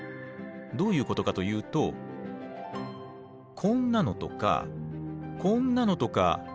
どういうことかというとこんなのとかこんなのとか見たことありません？